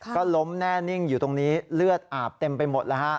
ก็ล้มแน่นิ่งอยู่ตรงนี้เลือดอาบเต็มไปหมดแล้วฮะ